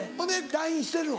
ＬＩＮＥしてるの？